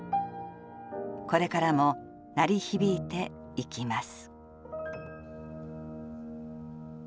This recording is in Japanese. これからも鳴り響いていきます。